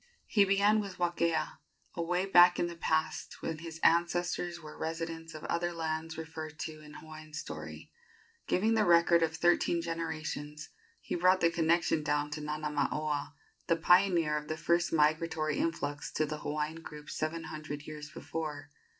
He began with Wakea, away back in the past, when his ancestors were residents of other lands referred to in Hawaiian story. Giving the record of thirteen generations, he brought the connection down to Nanamaoa, the pioneer of the first migratory influx to the Hawaiian group seven hundred years before.